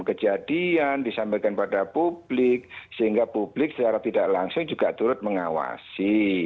kejadian disampaikan pada publik sehingga publik secara tidak langsung juga turut mengawasi